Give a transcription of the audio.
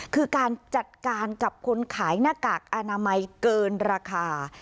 คือการจัดการกับคนขายหน้ากากอนามัยเกินราคา